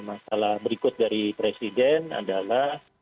masalah berikut dari presiden adalah